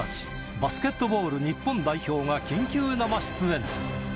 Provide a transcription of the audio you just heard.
バスケットボール日本代表が緊急生出演。